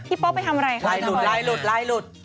พี่โป๊ปไปทำอะไรค่ะลายหลุด